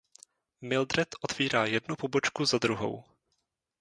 Mildred otvírá jednu pobočku za druhou.